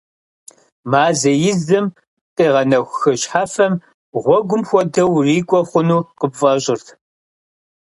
Мазэ изым къигъэнэху хы щхьэфэм гъуэгум хуэдэу урикӏуэ хъуну къыпфӏэщӏырт.